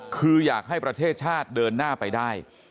คืออยากให้ประเทศชาติเดินหน้าไปได้